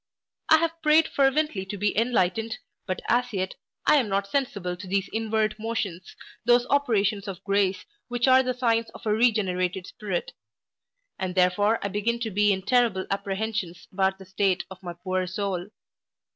I have prayed fervently to be enlightened, but as yet I am not sensible of these inward motions, those operations of grace, which are the signs of a regenerated spirit; and therefore I begin to be in terrible apprehensions about the state of my poor soul.